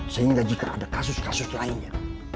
sehingga jika ada kasus kasus lainnya